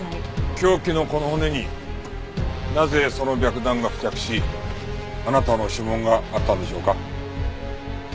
凶器のこの骨になぜその白檀が付着しあなたの指紋があったんでしょうか？